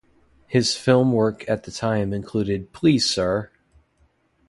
His film work at the time included Please Sir!